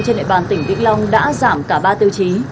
trên địa bàn tỉnh vĩnh long đã giảm cả ba tiêu chí